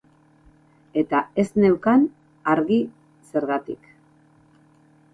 Eta ez neukan argi zergatik.